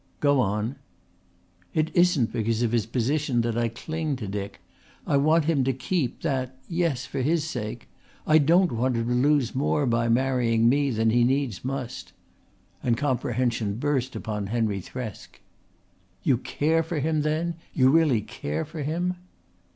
"Go on." "It isn't because of his position that I cling to Dick. I want him to keep that yes for his sake. I don't want him to lose more by marrying me than he needs must"; and comprehension burst upon Henry Thresk. "You care for him then! You really care for him?"